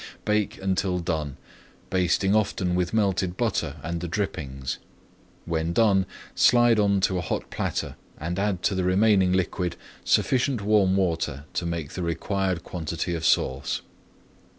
Bake until done, basting often with melted butter and the drippings. When done slide on to a hot platter and add to the remaining liquid sufficient warm water to make the required quantity of sauce.